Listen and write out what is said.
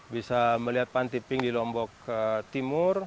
bisa melihat panti pink di lombok timur